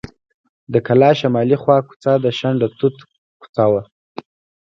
د کلا شمالي خوا کوڅه د شنډه توت کوڅه وه.